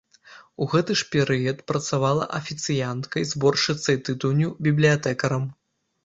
У гэты ж перыяд працавала афіцыянткай, зборшчыцай тытуню, бібліятэкарам.